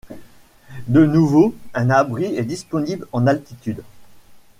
De nouveau, un abri est disponible en altitude.